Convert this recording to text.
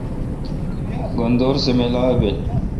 گھن دور سہ ملاوبیلہ؟